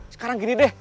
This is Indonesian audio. sekarang gini deh